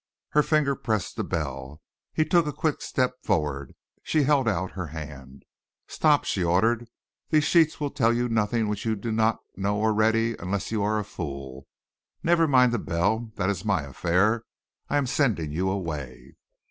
Her finger pressed the bell. He took a quick step forward. She held out her hand. "Stop!" she ordered. "These sheets will tell you nothing which you do not know already unless you are a fool. Never mind the bell. That is my affair. I am sending you away."